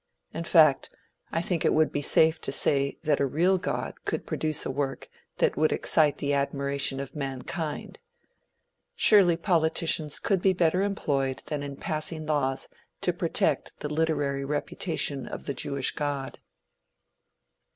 In fact, I think it would be safe to say that a real God could produce a work that would excite the admiration of mankind. Surely politicians could be better employed than in passing laws to protect the literary reputation of the Jewish God. IV.